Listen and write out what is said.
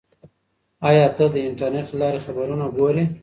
آیا ته د انټرنیټ له لارې خبرونه ګورې؟